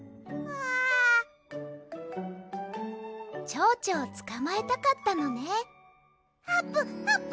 チョウチョをつかまえたかったのねあぷあぷ！